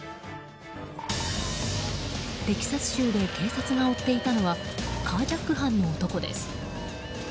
テキサス州で警察が追っていたのはカージャック犯の男です。